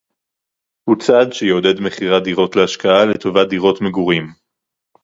הוא צעד שיעודד מכירת דירות להשקעה לטובת דירות מגורים